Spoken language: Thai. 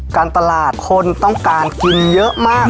การตลาดคนต้องการกินเยอะมาก